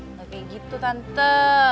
nggak kayak gitu tante